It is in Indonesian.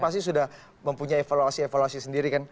pasti sudah mempunyai evaluasi evaluasi sendiri kan